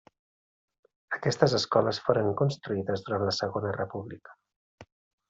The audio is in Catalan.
Aquestes escoles foren construïdes durant la segona República.